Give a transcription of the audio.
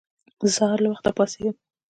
زه سهار له وخته پاڅيږم.